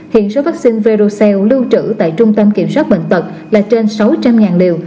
hiện số vaccine verocel lưu trữ tại trung tâm kiểm soát bệnh tật là trên sáu trăm linh liều